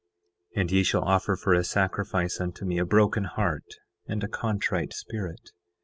9:20 And ye shall offer for a sacrifice unto me a broken heart and a contrite spirit.